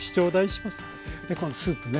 このスープね。